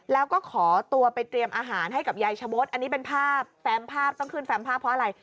แล้วก็ขอตัวไปเตรียมอาหารให้กับยายชะมดอันนี้เป็นภาพแฟมภาพต้องขึ้นแฟมภาพเพราะอะไร